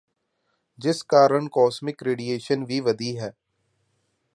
ਜਿਸ ਕਾਰਨ ਕੌਸਮਿਕ ਰੇਡੀਏਸ਼ਨ ਵੀ ਵਧੀ ਹੈ